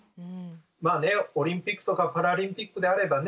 まあオリンピックとかパラリンピックであればね